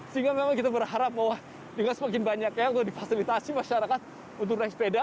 sehingga memang kita berharap bahwa dengan semakin banyaknya untuk difasilitasi masyarakat untuk naik sepeda